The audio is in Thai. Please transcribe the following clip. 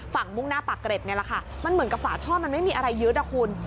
มุ่งหน้าปากเกร็ดนี่แหละค่ะมันเหมือนกับฝาท่อมันไม่มีอะไรยึดอ่ะคุณ